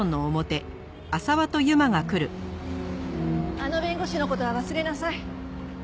あの弁護士の事は忘れなさい。